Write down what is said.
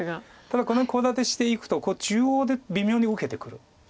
ただこのコウ立てしていくと中央で微妙に受けてくる。